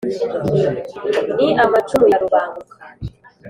ni amacumu ya rubanguka,